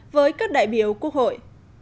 với các đại biểu quốc hội